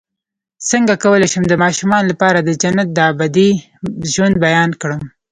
څنګه کولی شم د ماشومانو لپاره د جنت د ابدي ژوند بیان کړم